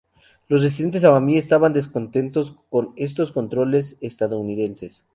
Los residentes amami estaban descontentos con estos controles estadounidenses.